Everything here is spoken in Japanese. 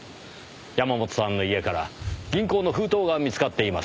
山本さんの家から銀行の封筒が見つかっています。